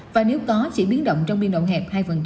và nếu có chỉ biến động trong biên động hẹp hai